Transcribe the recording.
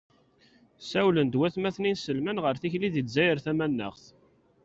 Sawlen-d watmaten inselmen ɣer tikli di lezzayer tamanaɣt.